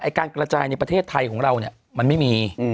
การกระจายในประเทศไทยของเราเนี่ยมันไม่มี